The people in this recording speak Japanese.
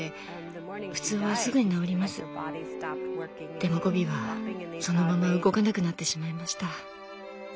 でもゴビはそのまま動かなくなってしまいました。